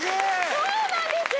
そうなんです